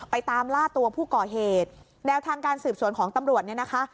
ตามล่าตัวผู้ก่อเหตุแนวทางการสืบสวนของตำรวจเนี่ยนะคะ